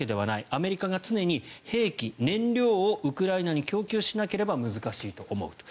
アメリカが常に兵器、燃料をウクライナに供給しなければ難しいと思うと。